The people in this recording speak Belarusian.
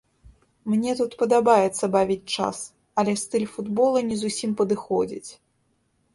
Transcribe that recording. Мне тут падабаецца бавіць час, але стыль футбола не зусім падыходзіць.